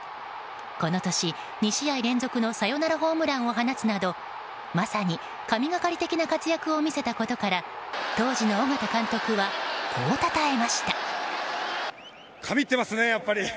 この年、２試合連続のサヨナラホームランを放つなどまさに神がかり的な活躍を見せたことから当時の緒方監督はこうたたえました。